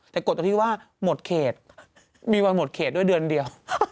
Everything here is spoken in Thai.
แต่กดตรงที่ว่าหมดเขตมีวันหมดเขตด้วยเดือนเดียว